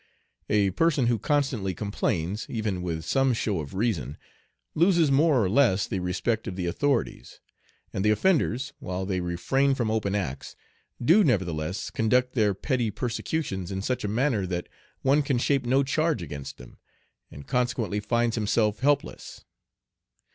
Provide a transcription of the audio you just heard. A person who constantly complains, even with some show of reason, loses more or less the respect of the authorities. And the offenders, while they refrain from open acts, do nevertheless conduct their petty persecutions in such a manner that one can shape no charge against them, and consequently finds himself helpless.